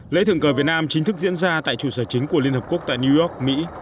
lễ thượng cờ việt nam chính thức diễn ra tại trụ sở chính của liên hợp quốc tại new york mỹ